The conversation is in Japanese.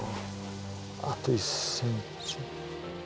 あと１センチ。